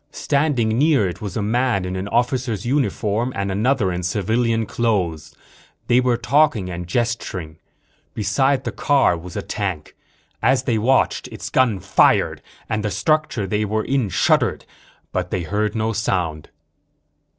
Standing near it was a man in an officer's uniform and another in civilian clothes. They were talking and gesturing. Beside the car was a tank. As they watched, its gun fired and the structure they were in shuddered, but they heard no sound.